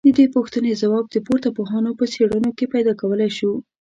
ددې پوښتني ځواب د پورته پوهانو په څېړنو کي پيدا کولای سو